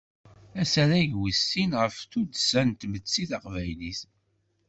Asarag wis sin ɣef tuddsa n tmetti taqbaylit.